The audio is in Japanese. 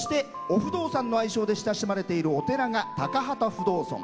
「お不動さん」の愛称で親しまれているお寺が高幡不動尊。